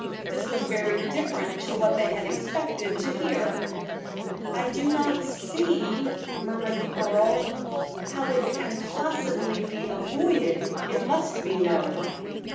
This was very different to what they had expected to hear. "I do not see," murmured the earl, "how it can possibly be avoided it must be known."